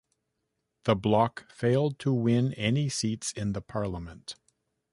The bloc failed to win any seats in the parliament.